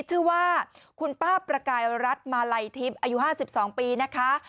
ชื่อว่าคุณป้าประกายรัฐมาลัยทิพย์อายุ๕๒ปีนะคะ